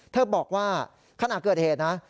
บอกว่าขณะเกิดเหตุนะ